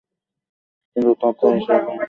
কিন্তু তথায় সে কোন কুয়া দেখতে পেল না।